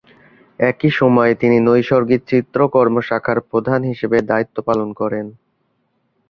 একই সময়ে তিনি নৈসর্গিক চিত্রকর্ম শাখার প্রধান হিসেবে দায়িত্ব পালন করেন।